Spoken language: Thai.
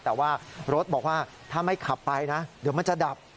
แต่ว่ารถบอกว่าถ้าไม่ขับไปนะเดี๋ยวมันจะดับ